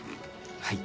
はい。